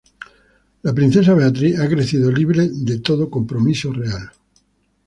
La princesa Beatriz ha crecido libre de todo compromiso real.